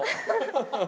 ハハハ！